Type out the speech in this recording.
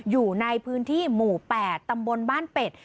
อยู่ในพื้นที่หมู่๘ตำบลบ้านเป็ด